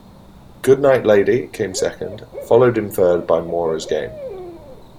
"Goodnight Lady" came second, followed in third by "Maura's Game".